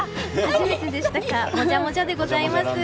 もじゃもじゃでございます。